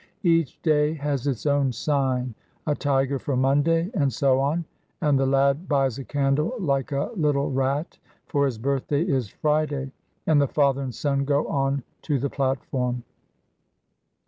Each day has its own sign, a tiger for Monday, and so on, and the lad buys a candle like a little rat, for his birthday is Friday, and the father and son go on to the platform.